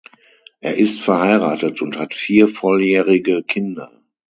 Er ist verheiratet und hat vier volljährige Kinder.